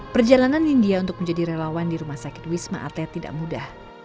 perjalanan india untuk menjadi relawan di rumah sakit wisma atlet tidak mudah